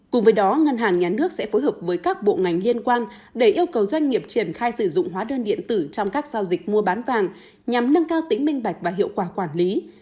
cùng với đó ngân hàng nhà nước sẽ phối hợp với các bộ ngành liên quan để yêu cầu doanh nghiệp triển khai sử dụng hóa đơn điện tử trong các giao dịch mua bán vàng nhằm nâng cao tính minh bạch và hiệu quả quản lý